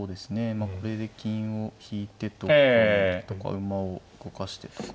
まあこれで金を引いてとか馬を動かしてとかも。